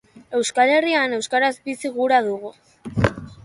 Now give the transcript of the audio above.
Euskal Herrian euskaraz bizi gura dugu.